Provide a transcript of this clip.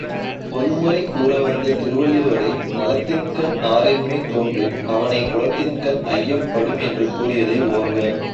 பொதுமறை கூறவந்த திருவள்ளுவரே நலத்தின்கண் நாரின்மை தோன்றின் அவனைக் குலத்தின்கண் ஐயப் படும் என்று கூறியதை ஓர்க.